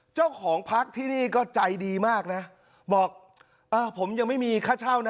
เจ้าของพักที่นี่ก็ใจดีมากนะบอกเออผมยังไม่มีค่าเช่านะ